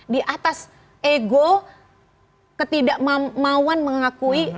di atas ego ketidakmauan mengakui